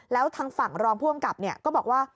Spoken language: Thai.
แล้วทางฝั่งรองผู้อำกับก็บอกว่า